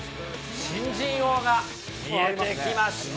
新人王が見えてきました。